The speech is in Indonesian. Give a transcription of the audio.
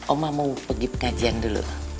oma mau pergi pekajian dulu